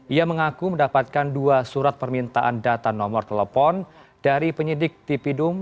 ia mengaku mendapatkan dua surat permintaan data nomor telepon dari penyidik tipidum